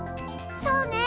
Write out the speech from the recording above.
そうね